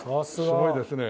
すごいですね。